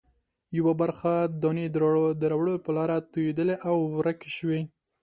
یوه برخه دانې د راوړلو په لاره توېدلې او ورکې شوې.